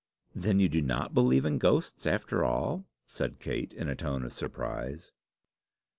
"Then you do not believe in ghosts, after all?" said Kate, in a tone of surprise.